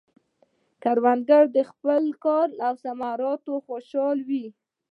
کروندګر د خپل کار له ثمراتو خوشحال وي